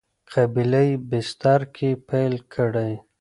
قبیله یي بستر کې پیل کړی.